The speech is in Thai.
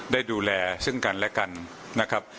ได้ดูแลซึ่งกันและกันนะครับ